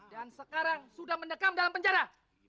dan sekarang sudah mendekam dalam penjara